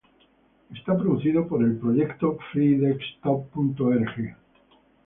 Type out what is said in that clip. Es producido por el proyecto freedesktop.org.